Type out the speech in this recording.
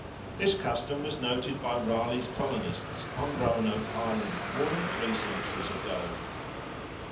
This custom was noted by Raleigh's colonists on Roanoke Island more than three centuries ago.